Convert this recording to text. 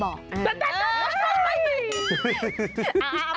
ตาตาป๊อร์ส